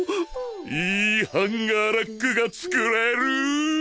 いいハンガーラックが作れる！